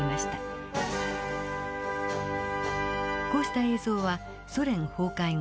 こうした映像はソ連崩壊後